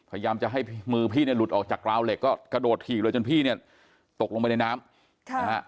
พยายามจะให้มือพี่หลุดออกจากราวเหล็กก็กระโดดถี่เลยจนพี่ตกลงไปในน้ำ